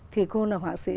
thì cô là họa sĩ